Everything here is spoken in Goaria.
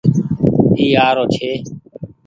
اي آرو ڇي۔